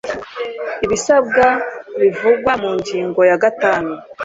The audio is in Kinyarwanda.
ibisabwa bivugwa mu ngingo ya gatanu